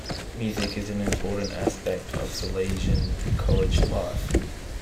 Music is an important aspect of Salesian College life.